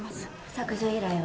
削除依頼は？